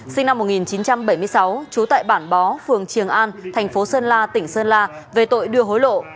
sinh năm một nghìn chín trăm bảy mươi sáu trú tại bản bó phường triềng an thành phố sơn la tỉnh sơn la về tội đưa hối lộ